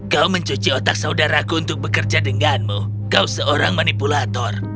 kau mencuci otak saudaraku untuk bekerja denganmu kau seorang manipulator